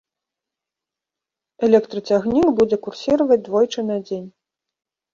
Электрацягнік будзе курсіраваць двойчы на дзень.